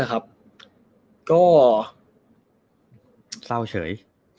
ก็เศร้าเฉย